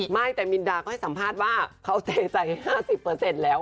ไม่แต่มินดาก็ให้สัมภาษณ์ว่าเขาเซใจ๕๐แล้ว